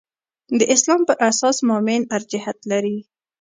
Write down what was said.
د اسلام پر اساس مومن ارجحیت لري.